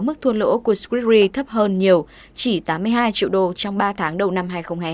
mức thua lỗ của squritry thấp hơn nhiều chỉ tám mươi hai triệu đô trong ba tháng đầu năm hai nghìn hai mươi hai